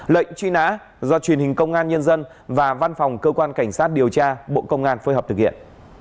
lệnh truy nã do truyền hình công an nhân dân và văn phòng cơ quan cảnh sát điều tra bộ công an phối hợp thực hiện